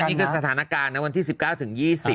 นี่ก็สถานการณ์นะวันที่๑๙ถึง๒๐